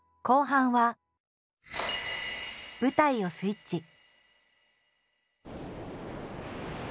後半は舞台をスイッチ。